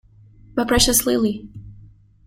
My precious Lily!